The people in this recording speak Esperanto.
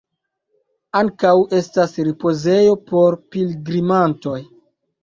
Ankaŭ estas ripozejo por pilgrimantoj.